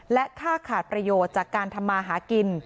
และค่าขาดประโยชน์จากการทำมาหากิน